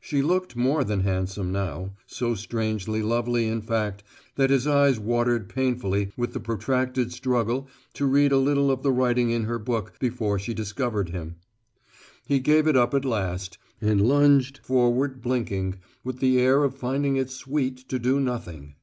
She looked more than handsome now, so strangely lovely, in fact, that his eyes watered painfully with the protracted struggle to read a little of the writing in her book before she discovered him. He gave it up at last, and lounged forward blinking, with the air of finding it sweet to do nothing.